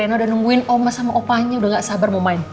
eno udah nungguin oma sama opanya udah gak sabar mau main